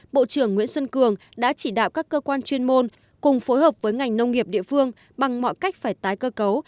bộ trưởng nguyễn xuân cường đã chỉ đạo các cơ quan chuyên môn cùng phối hợp với ngành nông nghiệp địa phương bằng mọi cách phải tái cơ cấu